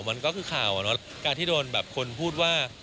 มันก็คือข่าวการที่โดนแบบคนพูดว่า